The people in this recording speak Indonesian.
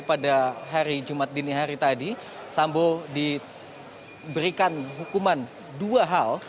pada hari jumat dini hari tadi sambo diberikan hukuman dua hal